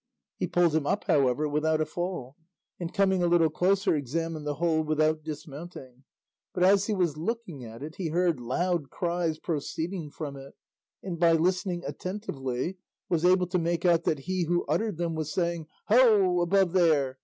He pulled him up, however, without a fall, and coming a little closer examined the hole without dismounting; but as he was looking at it he heard loud cries proceeding from it, and by listening attentively was able to make out that he who uttered them was saying, "Ho, above there!